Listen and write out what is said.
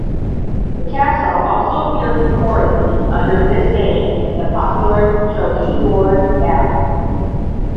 The castle also appears recorded under this name in the popular "Shogi Wars" app.